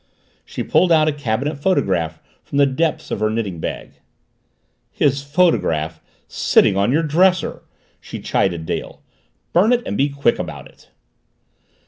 She pulled out a cabinet photograph from the depths of her knitting bag. "His photograph sitting on your dresser!" she chided Dale. "Burn it and be quick about it!"